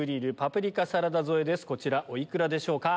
こちらお幾らでしょうか？